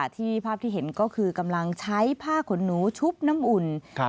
ภาพที่เห็นก็คือกำลังใช้ผ้าขนหนูชุบน้ำอุ่น